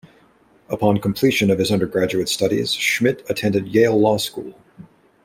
Upon completion of his undergraduate studies, Schmidt attended Yale Law School.